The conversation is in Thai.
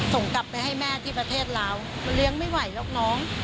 ส่งกลับไปให้แม่ที่ประเทศลาวเลี้ยงไม่ไหวหรอกน้อง